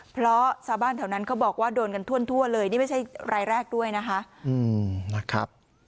เพราะชาวบ้านแถวนั้นเขาบอกว่าโดนกันทั่วเลยนี่ไม่ใช่รายแรกด้วยนะคะ